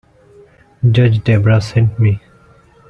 Judge Debra sent me.